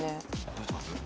どうします？